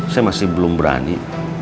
saya masih belum berani